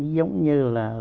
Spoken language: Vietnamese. giống như là